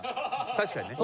確かにね。